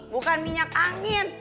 bukan minyak angin